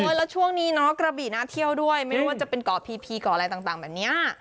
โอ้ยแล้วช่วงนี้นะว่ากาบีน่าเที่ยวด้วยไม่รู้ว่าจะเป็นก้อพีก่ออะไรน่ะ